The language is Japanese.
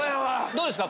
どうですか？